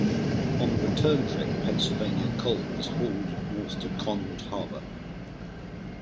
On the return trip, Pennsylvania coal was hauled north to Conneaut Harbor.